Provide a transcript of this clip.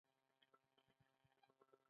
ټیکټاک د ځوانانو لپاره د خوند وړ اپلیکیشن دی.